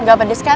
gak pedes kan